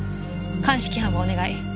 鑑識班をお願い。